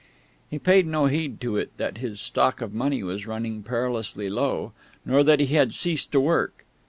He paid no heed to it that his stock of money was running perilously low, nor that he had ceased to work.